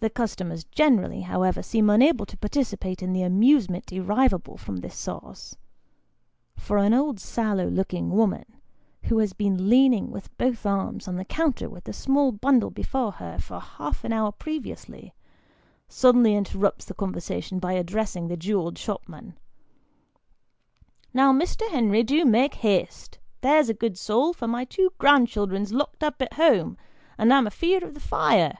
The customers generally, however, seem unable to participate in the amusement derivable from this source, for an old sallow looking woman, who has been leaning with both arms on the counter with a small bundle before her, for half an hour previously, suddenly inter rupts the conversation by addressing the jewelled shopman " Now, Mr. Henry, do make haste, there's a good soul, for my two grand children's locked up at home, and I'm afeer'd of the fire."